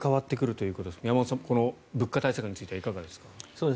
山本さん物価対策についてはどうですか？